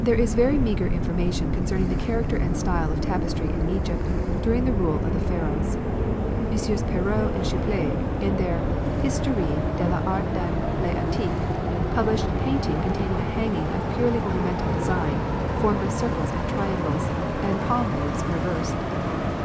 There is very meagre information concerning the character and style of tapestry in Egypt during the rule of the Pharaohs. MM. Perrot and Chipiex, in their "Histoire de l'Art dans l'Antiquité," publish a painting containing a hanging of purely ornamental design formed of circles, triangles, and palm leaves reversed.